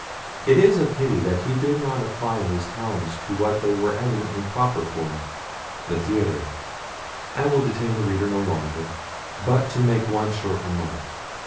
It is a pity that he did not apply his talents to what they were evidently proper for—the theatre. I will detain the reader no longer, but to make one short remark.